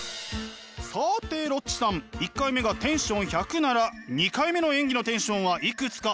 さてロッチさん１回目がテンション１００なら２回目の演技のテンションはいくつか当ててください。